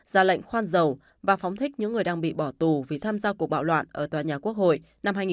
ra lệnh khoan dầu và phóng thích những người đang bị bỏ tù vì tham gia cuộc bạo loạn ở tòa nhà quốc hội năm hai nghìn một mươi ba